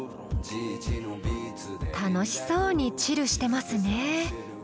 楽しそうに「チル」してますね。